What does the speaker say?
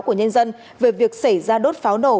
của nhân dân về việc xảy ra đốt pháo nổ